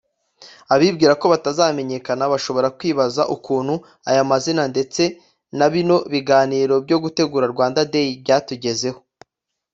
Abibwira ko batazamanyekana bashobora kwibaza ukuntu aya mazina ndetse na bino biganiro byo gutegura Rwanda Day byatugezeho